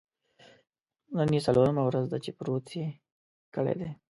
نن یې څلورمه ورځ ده چې پروت یې کړی دی.